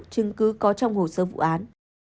chứng cứ có trong hồ sơ vụ án